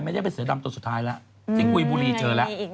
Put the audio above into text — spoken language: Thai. ไม่ได้เป็นเสือดำตัวสุดท้ายแล้ว